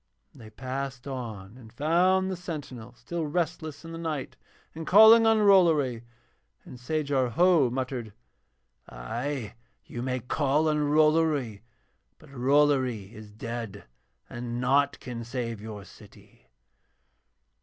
And they passed on and found the sentinel still restless in the night and calling on Rollory. And Sajar Ho muttered: 'Ay, you may call on Rollory, but Rollory is dead and naught can save your city.'